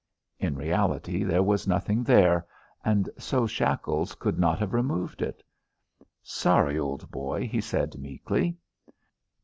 In reality there was nothing there, and so Shackles could not have removed it. "Sorry, old boy," he said, meekly.